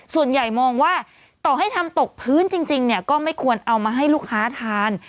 ส่วนใหญ่มองว่าต่อให้ทำตกพื้นจริงเนี่ยก็ไม่ควรเอามาให้ลูกค้าทาน